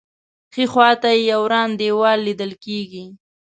ښی خوا ته یې یو وران دیوال لیدل کېږي.